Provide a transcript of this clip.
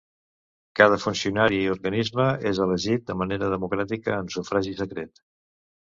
Cada funcionari i organisme és elegit de manera democràtica en sufragi secret.